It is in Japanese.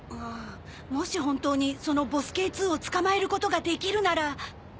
もし本当にそのボスＫ−２を捕まえることができるなら。